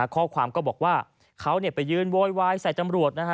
ข้อความก็บอกว่าเขาไปยืนโวยวายใส่ตำรวจนะฮะ